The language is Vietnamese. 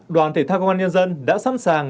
đoàn thể thao công an nhân dân đã sẵn sàng